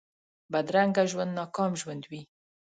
بدرنګه ژوند ناکام ژوند وي